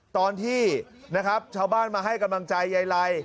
ตอนที่นะครับชาวบ้านมาให้กำลังใจยายไล